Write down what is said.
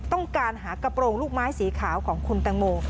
ต้องการหากระโปรงลูกไม้สีขาวของคุณตังโม